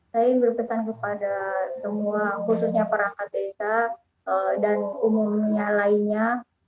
saya ingin berpesan kepada semua khususnya perangkat desa dan umumnya lainnya